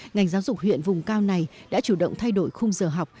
ngành giáo dục huyện vùng cao này đã chủ động thay đổi khung giờ học